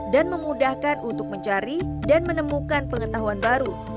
dan memudahkan untuk mencari dan menemukan pengetahuan baru